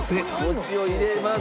餅を入れます。